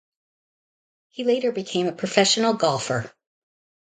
He later became a professional golfer.